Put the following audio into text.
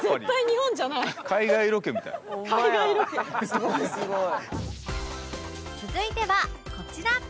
すごいすごい。